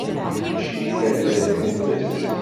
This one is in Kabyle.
Crifa tella tḥebbes.